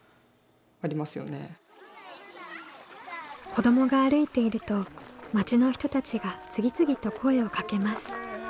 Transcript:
子どもが歩いていると町の人たちが次々と声をかけます。